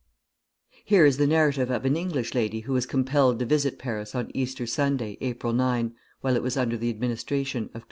Here is the narrative of an English lady who was compelled to visit Paris on Easter Sunday, April 9, while it was under the administration of Cluseret.